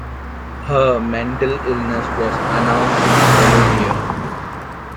Her mental illness was announced in the following year.